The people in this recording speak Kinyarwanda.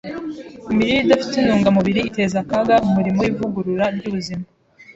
Imirire idafite intungamubiri iteza akaga umurimo w’ivugurura ry’ubuzima.